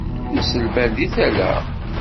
Iselman deg tala.